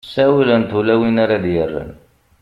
ssawlent ula win ara ad-yerren